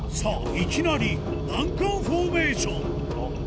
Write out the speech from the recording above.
いきなり難関フォーメーション